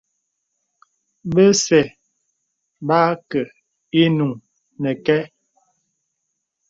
Bə̀zə̄ bə ákə̀ ìnuŋ nəkɛ.